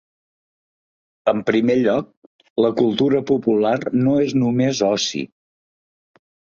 En primer lloc, la cultura popular no és només oci.